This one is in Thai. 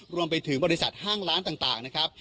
รวมไปถึงบริษัทห้างร้านต่างนะครับ